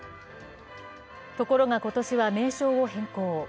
ところが今年は名称を変更。